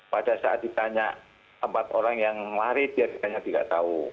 pada saat ditanya empat orang yang lari dia ditanya tidak tahu